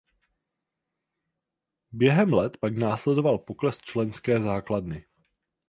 Během let pak následoval pokles členské základny.